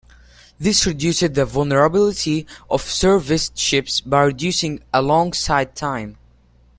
This reduces the vulnerability of serviced ships by reducing alongside time.